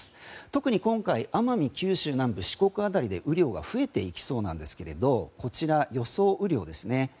特に今回奄美、九州、四国辺りで雨量が増えていきそうですがこちら、予想雨量ですね。